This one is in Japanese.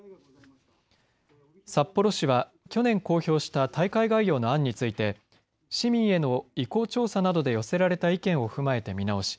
札幌市は去年、公表した大会概要の案について市民への意向調査などで寄せられた意見を踏まえて見直し